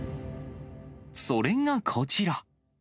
それがこちら。